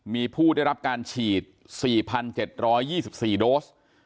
มีผู้ได้รับการฉีด๔๗๒๔โดส